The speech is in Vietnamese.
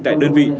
tại đơn vị